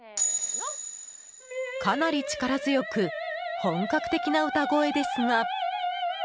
かなり力強く本格的な歌声ですが。